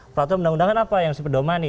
peraturan perundang undangan apa yang sepedomani